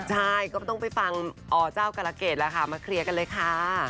ใช่ก็ต้องไปฟังอเจ้ากรเกตแล้วค่ะมาเคลียร์กันเลยค่ะ